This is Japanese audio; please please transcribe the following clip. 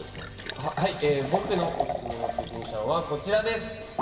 僕のオススメのテクニシャンはこちらです。